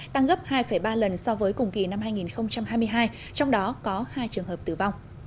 tăng gấp hai ba lần so với cùng kỳ năm hai nghìn hai mươi hai trong đó có hai trường hợp tử vong